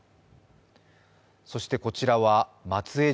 そしてこちらは松江城。